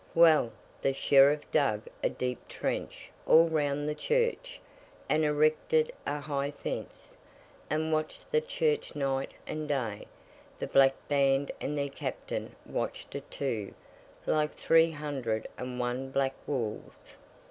Well! the Sheriff dug a deep trench all round the church, and erected a high fence, and watched the church night and day; the Black Band and their Captain watched it too, like three hundred and one black wolves.